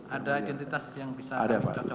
ada identitas yang bisa cocok